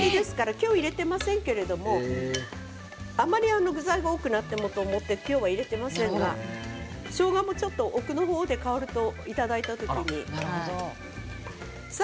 今日は入れてませんけれどあまり具材が多くなってもと思って今日は入れていませんがしょうがもちょっと奥の方で香っていただいた時にね。